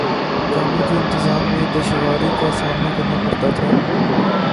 کاموں کے انتظام میں دشواری کا سامنا کرنا پڑتا تھا